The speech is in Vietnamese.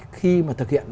khi mà thực hiện